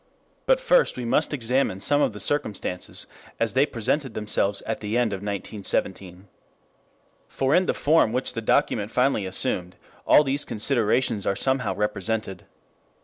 But first we must examine some of the circumstances as they presented themselves at the end of 1917. For in the form which the document finally assumed, all these considerations are somehow represented.